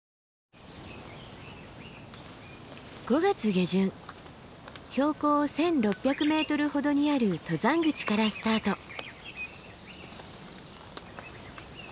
５月下旬標高１，６００ｍほどにある登山口からスタート。